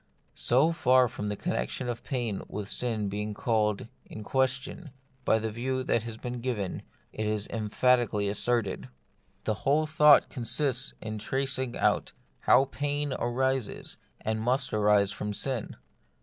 So far from the connexion of pain with sin being called in question by the view that has been given, it is emphatically asserted. The whole thought consists in tracing out how pain arises and must arise from sin.